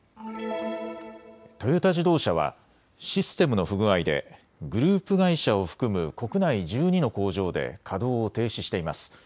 トヨタ自動車はシステムの不具合でグループ会社を含む国内１２の工場で稼働を停止しています。